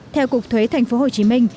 theo cục thuế thành phố hồ chí minh